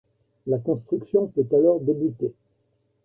La construction peut alors débuter.